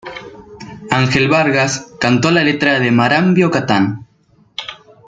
Ángel Vargas cantó la letra de Marambio Catán.